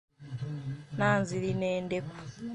Nanziri n'endeku.